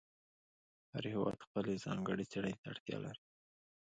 هر هېواد خپلې ځانګړې څېړنې ته اړتیا لري.